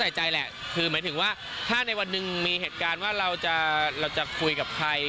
แสดงแสดงแสดงแหละถ้าในวันนึงมีเหตุการณ์ถ้าเราจะบอกลุยกับใคร